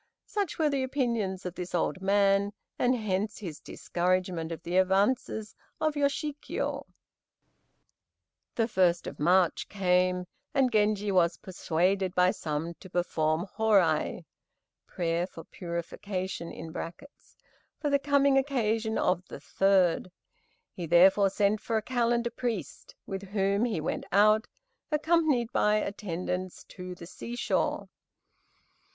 Such were the opinions of this old man, and hence his discouragement of the advances of Yoshikiyo. The first of March came, and Genji was persuaded by some to perform Horai (prayer for purification) for the coming occasion of the Third. He therefore sent for a calendar priest, with whom he went out, accompanied by attendants, to the sea shore.